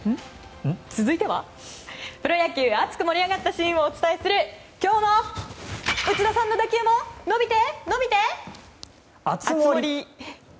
続いてはプロ野球熱く盛り上がったシーンをお伝えする今日の、内田さんの打球も伸びて。